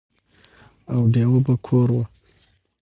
او ډېوه به کور وه،